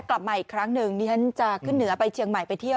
กลับมาอีกครั้งหนึ่งนี่ฉันจะขึ้นเหนือไปเชียงใหม่ไปเที่ยว